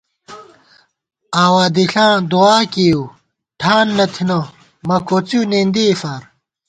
آواں دِݪاں دُعا کېئیؤ ٹھان نہ تھنہ مہ کوڅِؤ نېندِئےفار